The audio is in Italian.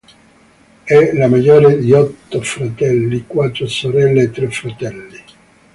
È la maggiore di otto fratelli, quattro sorelle e tre fratelli.